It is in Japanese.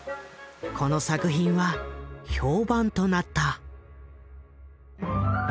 この作品は評判となった。